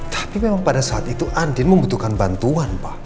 tapi memang pada saat itu andin membutuhkan bantuan pak